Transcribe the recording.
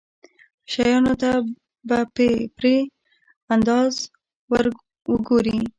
شيانو ته په بې پرې انداز وګوري.